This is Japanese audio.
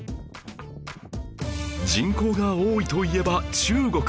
人口が多いといえば中国